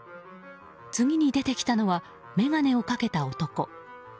次に出てきたのは眼鏡をかけた男。